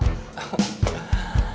kamu tuh yang paling manis